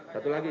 satu lagi ya